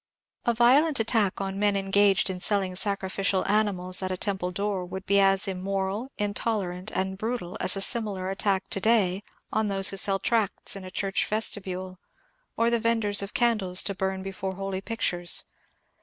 A violent attack on men engaged in selling sacrificial animals at a temple door would be as immoral, intolerant, and brutal as a similar attack to day on those who sell tracts in a church vestibule, or the venders of candles to bum before holy pic tures.